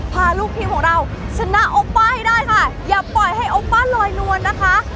พาลูกทีมของเราชนะโอป้าให้ได้ค่ะอย่าปล่อยให้โอป้าลอยนวลนะคะ